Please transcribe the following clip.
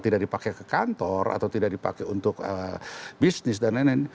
tidak dipakai ke kantor atau tidak dipakai untuk bisnis dan lain lain